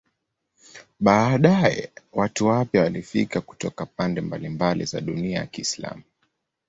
Baadaye watu wapya walifika kutoka pande mbalimbali za dunia ya Kiislamu.